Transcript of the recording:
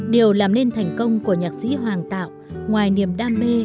điều làm nên thành công của nhạc sĩ hoàng tạo ngoài niềm đam mê